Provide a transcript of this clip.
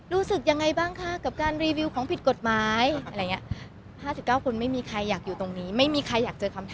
รู้สึกยังไงบ้างของการรีวิวของผิดกฎหมาย